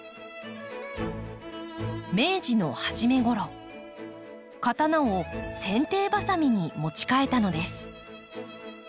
明治の初めごろ刀をせん定ばさみに持ち替えたのです。